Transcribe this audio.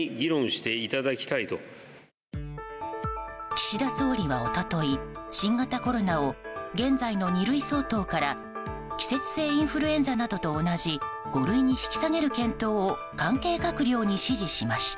岸田総理は一昨日新型コロナを現在の二類相当から季節性インフルエンザなどと同じ五類に引き下げる検討を関係閣僚に指示しました。